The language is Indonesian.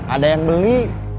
ada yang beli